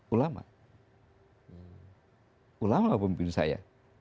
ulama ulama pemimpin saya